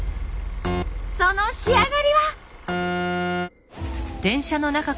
その仕上がりは。